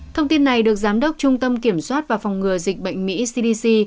thông tin này được giám đốc trung tâm kiểm soát và phòng ngừa dịch bệnh mỹ cdc